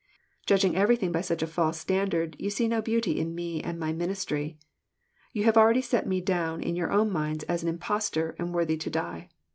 Judging everything by such a false standard, you see no beauty in Me and my ministry. You have already set Me down in your own minds as an impostor, and worthy to die.